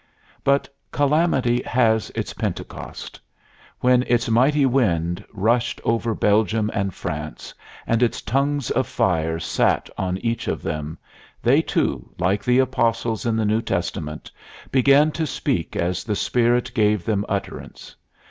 But Calamity has its Pentecost. When its mighty wind rushed over Belgium and France, and its tongues of fire sat on each of them, they, too, like the apostles in the New Testament, began to speak as the Spirit gave them utterance.